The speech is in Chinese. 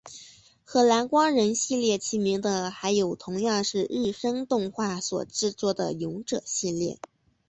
和蓝光人系列齐名的还有同样是日升动画所制作的勇者系列。